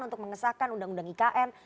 untuk mengesahkan undang undang ikn